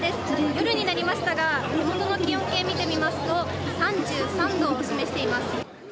夜になりましたが手元の気温計見てみますと３３度を示しています。